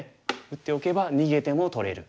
打っておけば逃げても取れる。